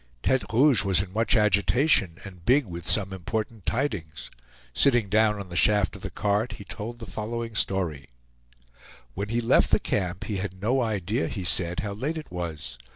Tete Rouge was in much agitation and big with some important tidings. Sitting down on the shaft of the cart, he told the following story: When he left the camp he had no idea, he said, how late it was.